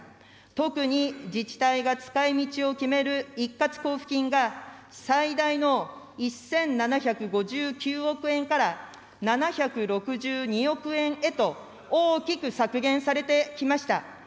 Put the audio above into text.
特に自治体が使いみちを決める一括交付金が最大の１７５９億円から、７６２億円へと大きく削減されてきました。